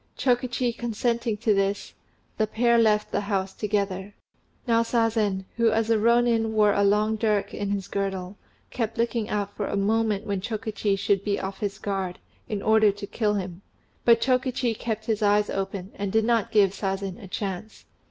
Chokichi consenting to this, the pair left the house together. Now Sazen, who as a Rônin wore a long dirk in his girdle, kept looking out for a moment when Chokichi should be off his guard, in order to kill him; but Chokichi kept his eyes open, and did not give Sazen a chance.